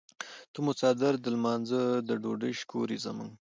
ته مو څادر د لمانځۀ د ډوډۍ شکور یې زموږ.